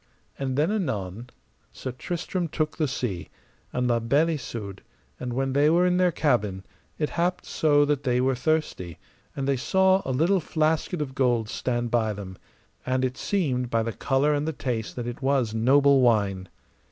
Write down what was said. And then anon Sir Tristram took the sea, and La Beale Isoud; and when they were in their cabin, it happed so that they were thirsty, and they saw a little flasket of gold stand by them, and it seemed by the colour and the taste that it was noble wine.